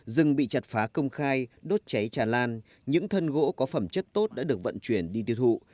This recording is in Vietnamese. rừng bị chặt phá công khai đốt cháy tràn lan những thân gỗ có phẩm chất tốt đã được vận chuyển đi tiêu thụ